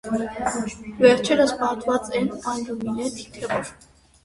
Վերջիններս պատված են ալյումինե թիթեղներով։